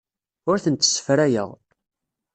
Ur tent-ssefrayeɣ.